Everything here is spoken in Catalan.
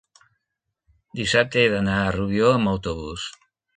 dissabte he d'anar a Rubió amb autobús.